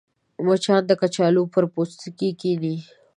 مچان د کچالو پر پوستکي کښېني